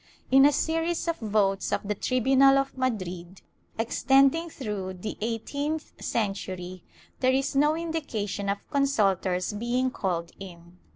In a series of votes of the tribunal of Madrid, extending through the eighteenth century, there is no indication of consultors being called in.